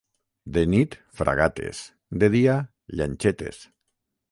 De nit fragates, de dia llanxetes.